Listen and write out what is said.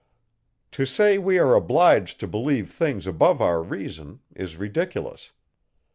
To say, we are obliged to believe things above our reason, is ridiculous.